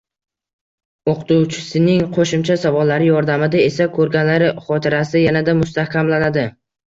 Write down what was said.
O‘qituvchisining qo‘shimcha savollari yordamida esa ko‘rganlari xotirasida yanada mustahkamlanadi.